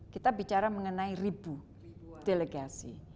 kita bicara mengenai ribu delegasi